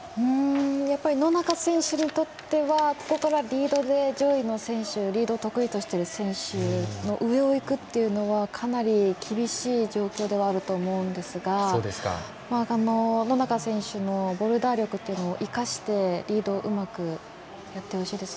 やっぱり野中選手にとってここからリードで上位の選手、リードを得意としている選手の上をいくというのはかなり厳しい状況ではあると思うんですが野中選手のボルダー力というのを生かしてリード、うまくやってほしいです。